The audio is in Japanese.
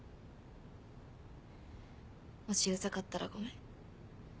もしウザかったらごめん。